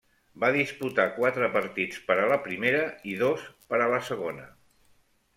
Va disputar quatre partits per a la primera i dos per a la segona.